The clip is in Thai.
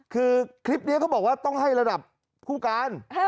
คือคลิปนี้เขาบอกว่าต้องให้ระดับผู้การ